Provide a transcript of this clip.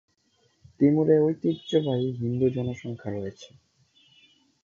তিমুরে ঐতিহ্যবাহী হিন্দু জনসংখ্যা রয়েছে।